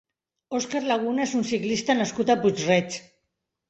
Óscar Laguna és un ciclista nascut a Puig-reig.